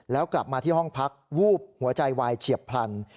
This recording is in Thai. แล้วกลับมาที่ห้องพักวูบหัวใจวายเฉียบพลัน